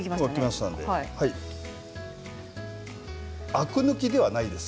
アク抜きではないです